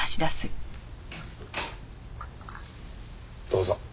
どうぞ。